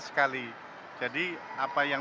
sekali jadi apa yang